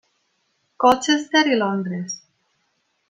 Colchester i Londres.